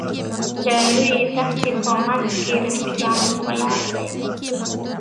د لویې دښتې په منځ کې یو رسټورانټ ولاړ دی.